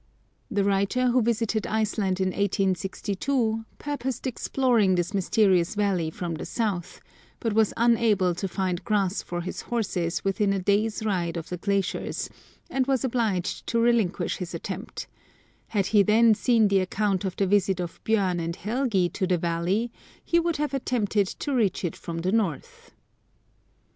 The writer, who visited Iceland in 1862, purposed exploring this mysterious valley from the south, but was unable to find grass for his horses within a day's ride of the glaciers, and was obliged to relinquish his attempt ; had he then seen the account of the visit of Bjom and Helgi to the valley, he would have attempted to reach it from the north.